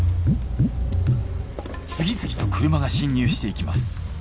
次々と車が進入していきます。